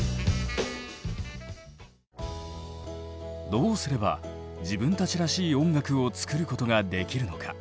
どうすれば自分たちらしい音楽を作ることができるのか？